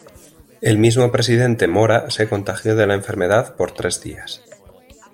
El mismo presidente Mora se contagió de la enfermedad por tres días.